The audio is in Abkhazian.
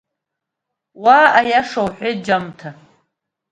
Уа, аиаша уҳәеит, Џьаҭма!